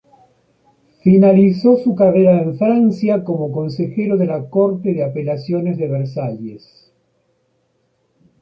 Finalizó su carrera en Francia como consejero de la Corte de Apelaciones de Versalles.